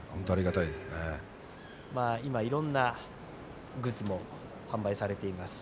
いろいろなグッズも販売されています。